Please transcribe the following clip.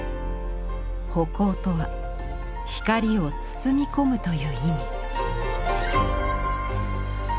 葆光とは「光を包み込む」という意味。